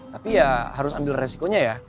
tapi ya harus ambil resikonya ya